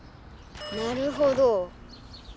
なるほど。